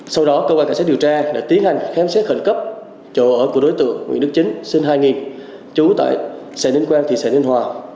sau đó cơ quan cảnh sát điều tra đã tiến hành khám xét khẩn cấp chỗ ở của đối tượng nguyễn đức chính sinh hai nghìn trú tại xã ninh quang thị xã ninh hòa